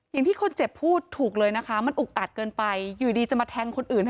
อย่างที่คนเจ็บพูดถูกเลยมันอุทำอาจเกินไปอย่าดีที่จะมาแทงคนอื่น